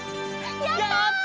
やった！